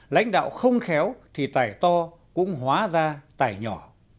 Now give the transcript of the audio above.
lãnh đạo không khéo thì tài to cũng hóa ra tài nhỏ